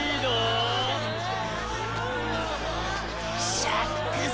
シャックス。